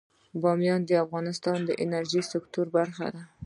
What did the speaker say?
بامیان د افغانستان د انرژۍ سکتور برخه ده.